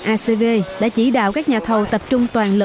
acv đã chỉ đạo các nhà thầu tập trung toàn lợi